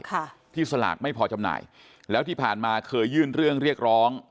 ค่ะที่สลากไม่พอจำหน่ายแล้วที่ผ่านมาเคยยื่นเรื่องเรียกร้อง